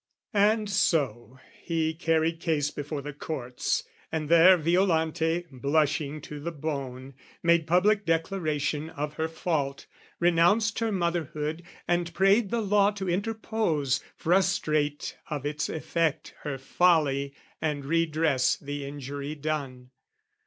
And so, he carried case before the courts; And there Violante, blushing to the bone, Made public declaration of her fault, Renounced her motherhood, and prayed the law To interpose, frustrate of its effect Her folly, and redress the injury done.